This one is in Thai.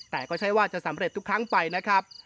แต่ก็ใช่ว่าจะสำเร็จทุกครั้งไปนะครับ